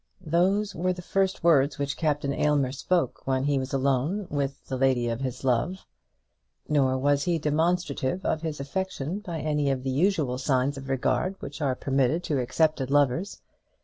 Those were the first words which Captain Aylmer spoke when he was alone with the lady of his love. Nor was he demonstrative of his affection by any of the usual signs of regard which are permitted to accepted lovers.